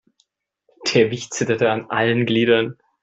Der Wicht zitterte an allen Gliedern.